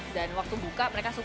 dan waktu buka mereka suka